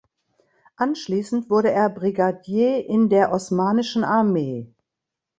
Anschließend wurde er Brigadier in der osmanischen Armee.